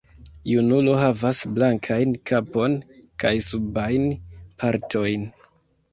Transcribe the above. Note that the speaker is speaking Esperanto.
Junulo havas blankajn kapon kaj subajn partojn.